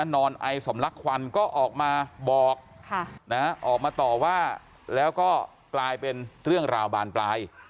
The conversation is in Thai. นอนไอสำลักควันก็ออกมาบอกออกมาต่อว่าแล้วก็กลายเป็นเรื่องราวบานปลาย